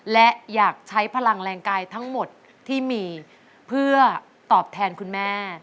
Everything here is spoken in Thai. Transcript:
และอยากใช้พลังแรงกายทั้งหมดที่มีเพื่อตอบแทนคุณแม่